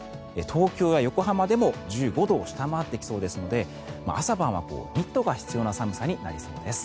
東京や横浜でも１５度を下回ってきそうですので朝晩はニットが必要な寒さになりそうです。